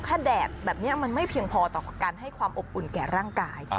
ถ้าแดดแบบนี้มันไม่เพียงพอต่อการให้ความอบอุ่นแก่ร่างกาย